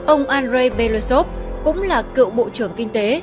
ông andrei belosov cũng là cựu bộ trưởng kinh tế